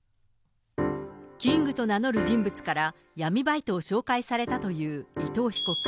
キングと名乗る人物から、闇バイトを紹介されたという伊藤被告。